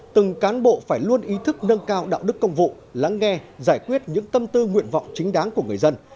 từng cán bộ phải luôn ý thức nâng cao đạo đức công vụ lắng nghe giải quyết những tâm tư nguyện vọng chính đáng của người dân